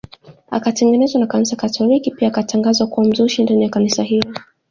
Akatengwa na kanisa katoliki pia akatangazwa kuwa mzushi ndani ya kanisa hilo